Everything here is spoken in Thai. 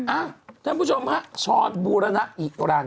อ่ะท่านผู้ชมค่ะช้อนบูรณะอีกรัน